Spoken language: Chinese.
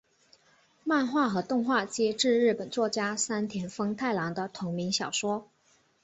漫画和动画皆自日本作家山田风太郎的同名小说。